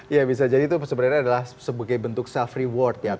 ya bisa jadi itu sebenarnya adalah sebagai bentuk self reward ya